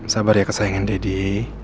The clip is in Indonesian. sabar ya kesayangan deddy